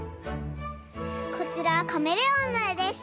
こちらはカメレオンのえです。